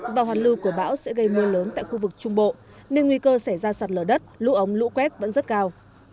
và hoàn lưu của bão sẽ gây mưa lớn tại khu vực trung bộ nên nguy cơ xảy ra sạt lở đất lũ ống lũ quét vẫn rất cao